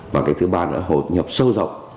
và cái thứ ba là hội nhập sâu rộng